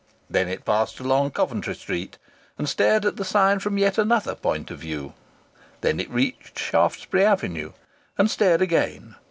Then it passed along Coventry Street, and stared at the sign from yet another point of view. Then it reached Shaftesbury Avenue and stared again.